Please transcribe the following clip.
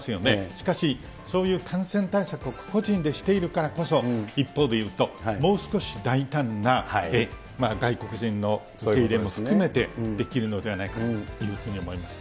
しかし、そういう感染対策を個々人でしているからこそ、一方で言うと、もう少し大胆な外国人の受け入れも含めて、できるのではないかというふうに思います。